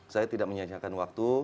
saya tidak menyajikan waktu